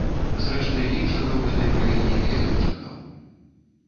Зрэшты, іншага ў гэтай краіне я не чакаў.